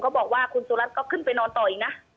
บอกว่าคุณสุรัตนก็ขึ้นไปนอนต่ออีกนะ